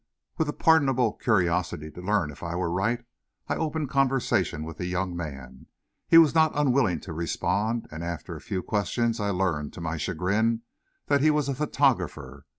With a pardonable curiosity to learn if I were right, I opened conversation with the young man. He was not unwilling to respond, and after a few questions I learned, to my chagrin, that he was a photographer.